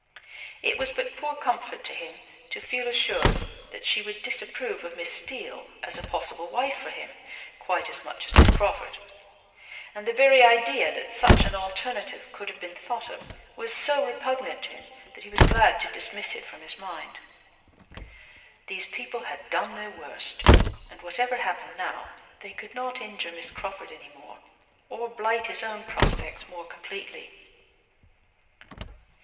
It was but poor comfort to him to feel assured that she would disapprove of Miss Steele as a possible wife for him, quite as much as Miss Crawford; and the very idea that such an alternative could have been thought of was so repugnant to him that he was glad to dismiss it from his mind. These people had done their worst, and whatever happened now, they could not injure Miss Crawford any more, or blight his own prospects more completely.